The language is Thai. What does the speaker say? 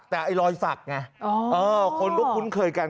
แต่ไอรอยศักดิ์ไงอ๋อคนคุ้นเคยกัน